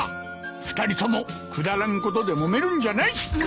２人ともくだらんことでもめるんじゃない！